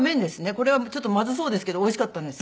これはちょっとまずそうですけどおいしかったんです。